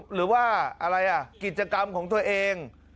หรือว่ากิจกรรมของตัวเอง